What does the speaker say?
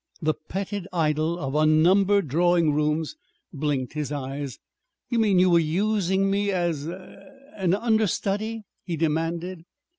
The petted idol of unnumbered drawing rooms blinked his eyes. "You mean you were using me as an er understudy?" he demanded.